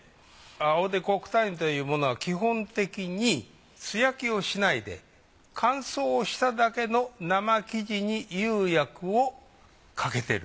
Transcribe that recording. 青手古九谷というものは基本的に素焼きをしないで乾燥しただけの生生地に釉薬をかけてる。